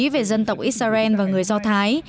về dân tộc israel và người do thái